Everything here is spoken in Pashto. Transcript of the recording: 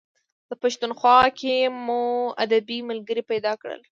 په پښتونخوا کې مو ادبي ملګري پیدا کړل.